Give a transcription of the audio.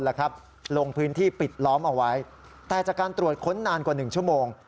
ลงพื้นที่ปิดล้อมเอาไว้แต่จากการตรวจค้นนานกว่า๑ชั่วโมง